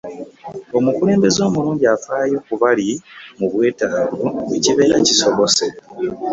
omukulembeze omulungi afaayo kubali mu bwetavu wekibeera kisobose